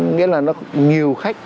nghĩa là nó nhiều khách